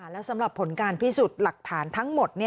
แล้วสำหรับผลการพิสูจน์หลักฐานทั้งหมด